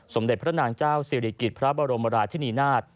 สมเด็จพระนางเจ้าศิริกิจพระบรมราชินีนาฏ